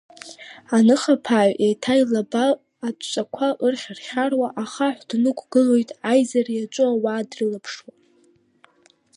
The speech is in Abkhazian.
Аныхаԥааҩ еиҭа илаба аҵәҵәақәа ырхьархьаруа ахаҳә днықәгылоит аизара иаҿу ауаа дрылаԥшуа.